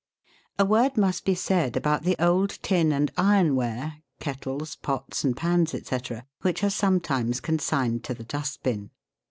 A word must be said about the old tin and iron ware kettles, pots, and pans, &c. which are sometimes consigned to the dust bin.